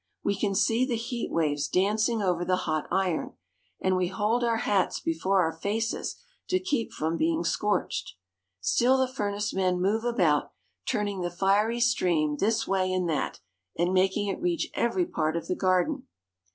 We can see the heat waves dancing over the hot iron, and we hold our hats before our faces to keep from being scorched. Still the furnace men move about, turning the fiery stream this way and that, and making it reach every part of the gar den.